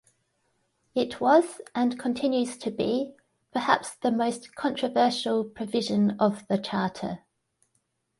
It was, and continues to be, perhaps the most controversial provision of the Charter.